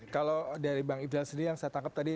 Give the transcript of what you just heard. kalau dari bang ibn salih yang saya tangkap tadi